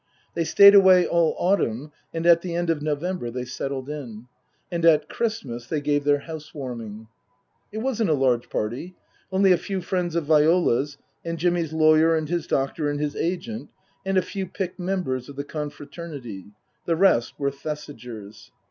They stayed away all autumn, and at the end of November they settled in. And at Christmas they gave their house warming. It wasn't a large party only a few friends of Viola's, and Jimmy's lawyer and his doctor and his agent, and a few picked members of the confraternity ; the rest were Thesigers.